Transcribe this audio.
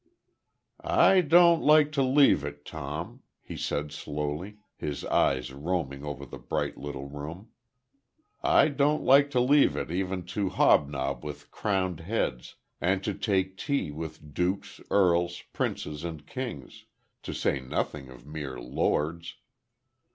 "I don't like to leave it, Tom," he said slowly, his eyes roaming over the bright, little room. "I don't like to leave it even to hobnob with crowned heads, and to take tea with dukes, earls, princes and kings, to say nothing of mere lords.